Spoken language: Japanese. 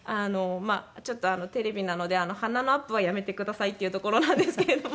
ちょっとテレビなので鼻のアップはやめてくださいっていうところなんですけれども。